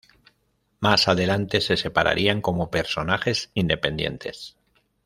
Más adelante se separarían como personajes independientes.